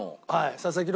佐々木朗